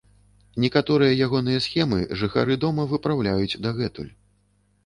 Некаторыя ягоныя схемы жыхары дома выпраўляюць дагэтуль.